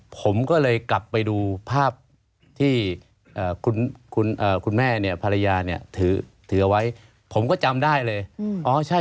ผมก็เลยกลับไปดูภาพที่คุณแม่เนี่ยภรรยาเนี่ยถือเอาไว้ผมก็จำได้เลยอ๋อใช่